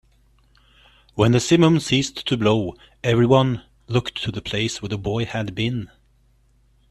When the simum ceased to blow, everyone looked to the place where the boy had been.